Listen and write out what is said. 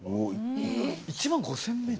１万５，０００ｍ？